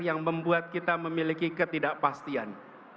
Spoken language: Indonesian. yang membuat kita memiliki ketidakpastian